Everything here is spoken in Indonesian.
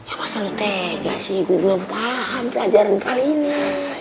ya masa lo tega sih gue belum paham pelajaran kali ini